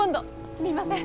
すみません。